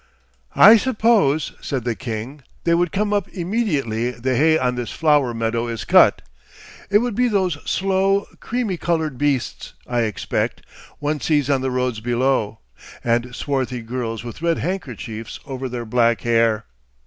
'I suppose,' said the king, 'they would come up immediately the hay on this flower meadow is cut. It would be those slow, creamy coloured beasts, I expect, one sees on the roads below, and swarthy girls with red handkerchiefs over their black hair....